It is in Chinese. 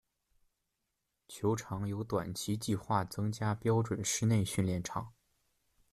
球场有短期计划增加标准室内训练场。